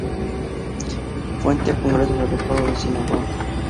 Fuente: Congreso del Estado de Sinaloa